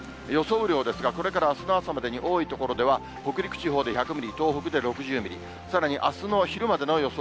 雨量ですが、これからあすの朝までに多い所では北陸地方で１００ミリ、東北で６０ミリ、さらにあすの昼までの予想